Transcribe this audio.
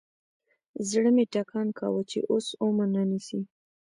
زړه مې ټکان کاوه چې اوس ومو نه نيسي.